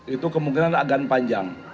itu kemungkinan agak panjang